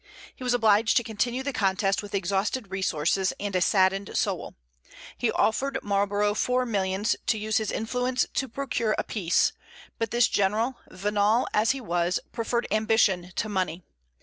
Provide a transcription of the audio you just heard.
He was obliged to continue the contest with exhausted resources and a saddened soul. He offered Marlborough four millions to use his influence to procure a peace; but this general, venal as he was, preferred ambition to money.